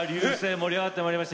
盛り上がってまいりました。